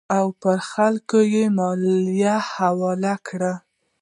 او پر خلکو یې مالیه حواله کړه.